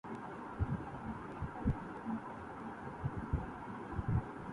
شعر کی فکر کو اسدؔ! چاہیے ہے دل و دماغ